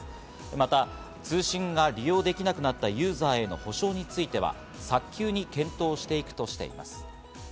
また通信が利用できなくなったユーザーへの補償については、早急に検討していくとしています。